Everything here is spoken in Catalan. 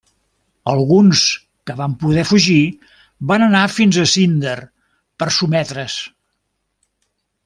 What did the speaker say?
Alguns que van poder fugir van anar fins a Zinder per sotmetre's.